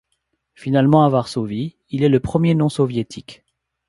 Finalement à Varsovie, il est le premier non soviétique.